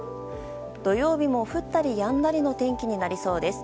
土曜日も降ったりやんだりの天気になりそうです。